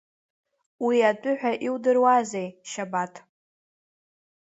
Уи атәы ҳәа иудыруазеи, Шьабаҭ?